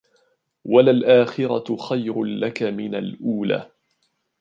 وللآخرة خير لك من الأولى